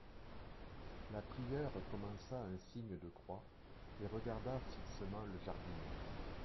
La prieure commença un signe de croix, et regarda fixement le jardinier.